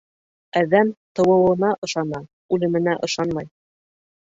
Әҙәм тыуыуына ышана, үлеменә ышанмай.